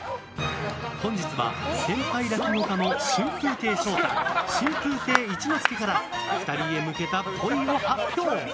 本日は先輩落語家の春風亭昇太、春風亭一之輔から２人へ向けた、っぽいを発表。